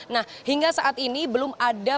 nah hingga saat ini belum ada